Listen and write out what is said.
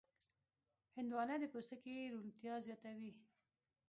هندوانه د پوستکي روڼتیا زیاتوي.